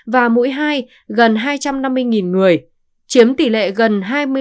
và mũi hai gần hai trăm năm mươi người chiếm tỷ lệ gần hai mươi năm